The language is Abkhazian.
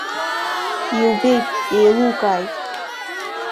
Иубеит, еилукааит.